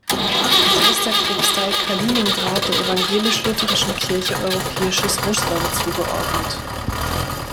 Sie ist der Propstei Kaliningrad der Evangelisch-lutherischen Kirche Europäisches Russland zugeordnet.